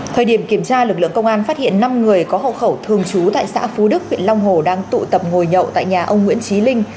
thời điểm kiểm tra lực lượng công an phát hiện năm người có hộ khẩu thường trú tại xã phú đức huyện long hồ đang tụ tập ngồi nhậu tại nhà ông nguyễn trí linh